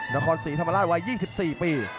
นครศรีธรรมราชวัย๒๔ปี